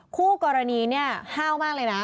คู่กรณีเนี่ยห้าวมากเลยนะ